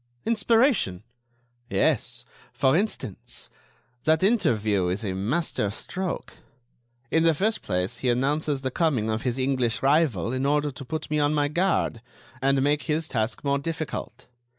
"Inspiration!" "Yes. For instance, that interview is a master stroke. In the first place, he announces the coming of his English rival in order to put me on my guard, and make his task more difficult.